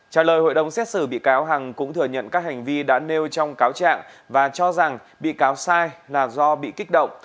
trả lời hội đồng xét xử bị cáo hằng cũng thừa nhận các hành vi đã nêu trong cáo trạng và cho rằng bị cáo sai là do bị kích động